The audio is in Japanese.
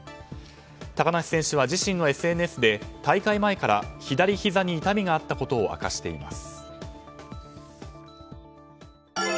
高梨選手は自身のＳＮＳで大会前から左ひざに痛みがあったことを明かしています。